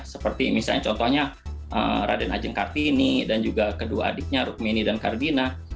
seperti misalnya contohnya raden ajeng kartini dan juga kedua adiknya rukmini dan kardina